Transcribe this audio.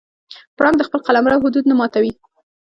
پړانګ د خپل قلمرو حدود نه ماتوي.